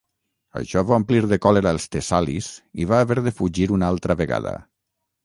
Això va omplir de còlera els tessalis i va haver de fugir una altra vegada.